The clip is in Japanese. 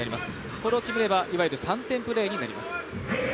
これを決めれば、いわゆる３点プレーになります。